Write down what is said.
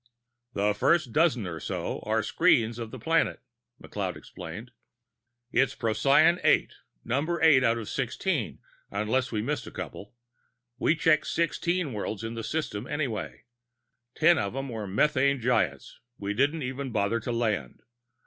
"The first dozen or so are scenes of the planet," McLeod explained. "It's Procyon VIII number eight out of sixteen, unless we missed a couple. We checked sixteen worlds in the system, anyway. Ten of 'em were methane giants; we didn't even bother to land.